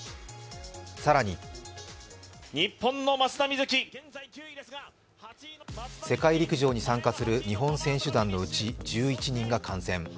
更に世界陸上に参加する日本選手団のうち１１人が感染。